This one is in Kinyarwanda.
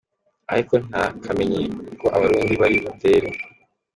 Ariko ntakamenye ko Abarundi bari butere.